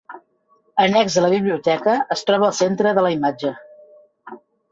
Annex a la biblioteca es troba el Centre de la Imatge.